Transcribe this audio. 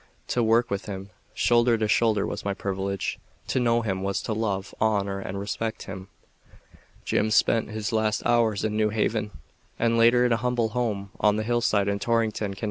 To work with him shoulder to shoulder was my privilege. To know him, was to love, honor and respect him. Jim spent his last hours in New Haven, and later in a humble home on the hillside in Torrington, Conn.